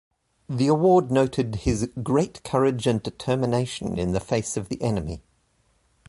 The award noted his "great courage and determination in the face of the enemy".